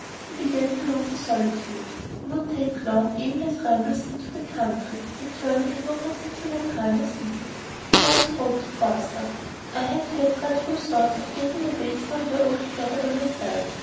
He began to long for solitude. He would take long, aimless rambles into the country, returning at no particular time or season. He once wrote to Forster: I have had dreadful thoughts of getting away somewhere altogether by myself.